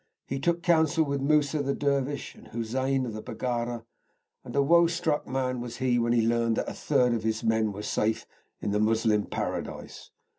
He took counsel with Moussa the Dervish and Hussein the Baggara, and a woestruck man was he when he learned that the third of his men were safe in the Moslem Paradise.